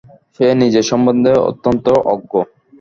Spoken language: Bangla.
সে নিজের সম্বন্ধে অত্যন্ত অজ্ঞ।